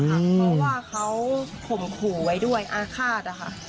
เพราะว่าเขาข่มขู่ไว้ด้วยอาฆาต